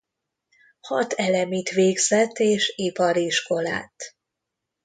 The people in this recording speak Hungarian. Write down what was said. Hat elemit végzett és ipariskolát.